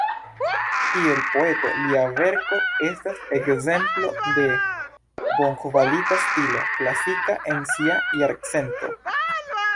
Kiel poeto, lia verko estas ekzemplo de bonkvalita stilo klasika en sia jarcento.